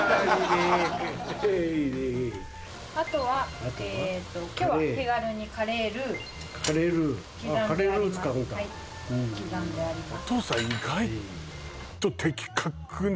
あとはえーと今日は手軽にカレールウカレールウ使うんだ刻んであります